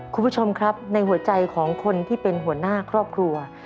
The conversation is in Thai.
คุณผู้ชมครับในหัวใจของคนที่เป็นหัวหน้าครอบครัว